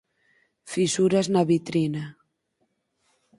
Fisuras na vitrina.